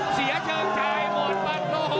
เสียเชิงชายหมดโอ้โฮ